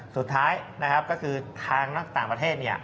สุดท้ายก็คือทางต่างประเทศ